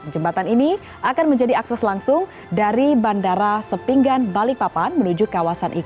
jembatan ini akan menjadi akses langsung dari bandara sepinggan balikpapan menuju kawasan ikn